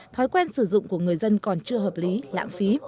thói quen sử dụng của người dân còn chưa hợp lý lãng phí